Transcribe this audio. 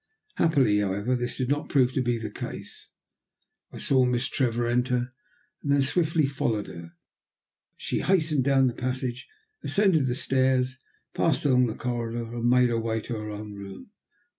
Happily, however, this did not prove to be the case. I saw Miss Trevor enter, and then swiftly followed her. She hastened down the passage, ascended the stairs, passed along the corridor, and made her way to her own room.